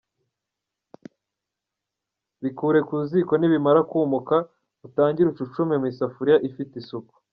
Bikure ku ziko nibimara kumuka utangire ucucume mu isafuriya ifite isuku.